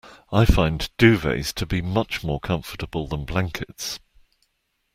I find duvets to be much more comfortable than blankets